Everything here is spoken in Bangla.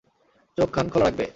চোখ-কান খোলা রাখবে।